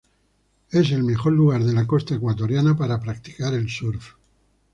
Es el mejor lugar de la costa ecuatoriana para practicar el surf.